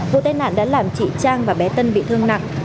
vụ tai nạn đã làm chị trang và bé tân bị thương nặng